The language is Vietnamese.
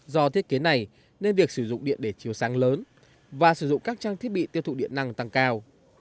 do thiết kế này nên việc sử dụng điện để chiều sáng lớn và sử dụng các trang thiết bị tiêu thụ điện năng tăng cao